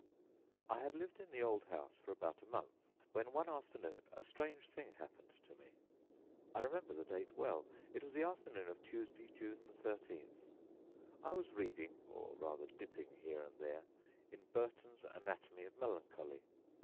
I had lived in the old house for about a month, when one afternoon a strange thing happened to me. I remember the date well. It was the afternoon of Tuesday, June 13th. I was reading, or rather dipping here and there, in Burton's Anatomy of Melancholy.